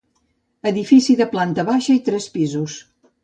Edifici de planta baixa i tres pisos.